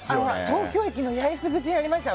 東京駅の八重洲口にありましたよ